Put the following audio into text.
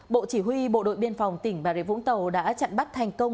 bộ chỉ huy bộ đội biên phòng tỉnh bà rịa vũng tàu đã chặn bắt thành công